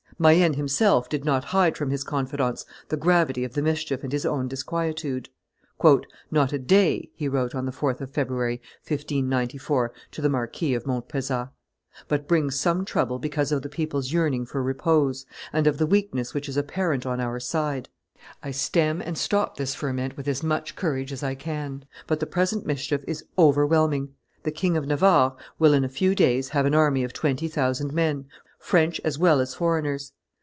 Mayenne himself did not hide from his confidants the gravity of the mischief and his own disquietude. "Not a day," he wrote on the 4th of February, 1594, to the Marquis of Montpezat, "but brings some trouble because of the people's yearning for repose, and of the weakness which is apparent on our side. I stem and stop this forment with as much courage as I can; but the present mischief is overwhelming; the King of Navarre will in a few days have an army of twenty thousand men, French as well as foreigners.